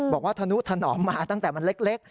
บอกว่าธนุธนอมมาตั้งแต่มันเล็ก